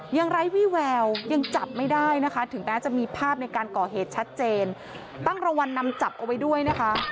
ไร้วิแววยังจับไม่ได้นะคะถึงแม้จะมีภาพในการก่อเหตุชัดเจนตั้งรางวัลนำจับเอาไว้ด้วยนะคะ